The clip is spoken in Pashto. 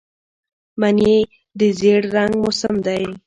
مني د زېړ رنګ موسم دی